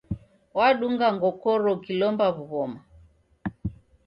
Wadunga ngokoro ukilomba w'ughoma.